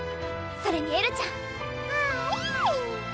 それにエルちゃんはい